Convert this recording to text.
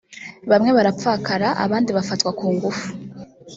bamwe barapfakara abandi bafatwa ku ngufu